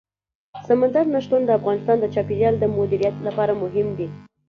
سمندر نه شتون د افغانستان د چاپیریال د مدیریت لپاره مهم دي.